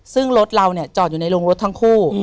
ซึ่งรถเราเนี่ยจอดอยู่ในโรงรถทั้งคู่